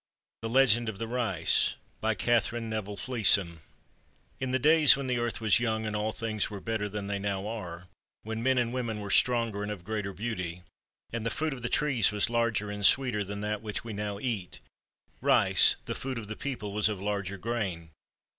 THE LEGEND OF THE RICE BY KATHERINE NEVILLE FLEESON In the days when the earth was young and all things were better than they now are, when men and women were stronger and of greater beauty, and the fruit of the trees was larger and sweeter than that which we now eat, rice, the food of the people, was of larger grain.